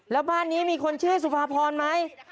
แล้วบ้านนี้มีคนชื่อสุภาพรไหม